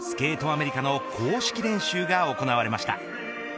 アメリカの公式練習が行われました。